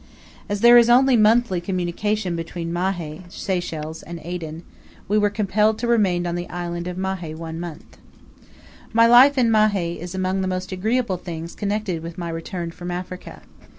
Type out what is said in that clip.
As there is only monthly communication between Mahe (Seychelles) and Aden, we were compelled to remain on the island of Mahe one month. My life in Mahe is among the most agreeable things connected with my return from Africa.